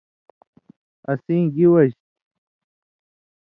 اسیں گی وجی تھی: